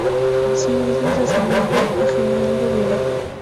Asimismo, es ascendido a general de brigada.